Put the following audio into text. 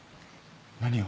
何を？